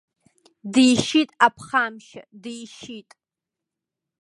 Дишьит, аԥхамшьа, дишьит!